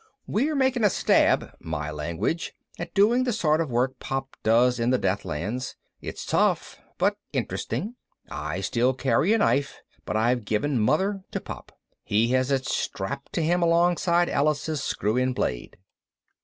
We're making a stab (my language!) at doing the sort of work Pop does in the Deathlands. It's tough but interesting. I still carry a knife, but I've given Mother to Pop. He has it strapped to him alongside Alice's screw in blade.